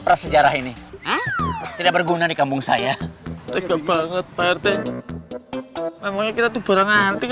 prasejarah ini tidak berguna di kampung saya tega banget pak rt memang kita tuh barang antik